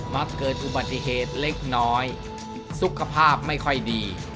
มักเกิดอุบัติเหตุเล็กน้อยสุขภาพไม่ค่อยดี